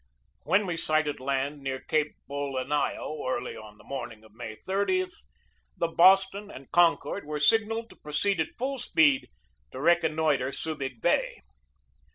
When we sighted land near Cape Bolinao early on the morning of May 30, the Boston and Concord were signalled to proceed at full speed to reconnoitre Subig Bay.